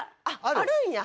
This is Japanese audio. あるんや。